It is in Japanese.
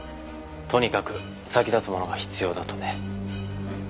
とにかく先立つものが必要だとね。